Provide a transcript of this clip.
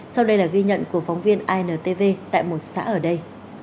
sau đây là ghi nhận của phóng viên intv tại một xã ở đây